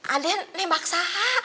ada yang nembak saja